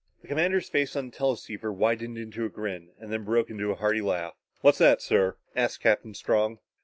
The commander's face on the teleceiver widened into a grin, then broke out in a hearty laugh. "What's that, sir?" asked Captain Strong.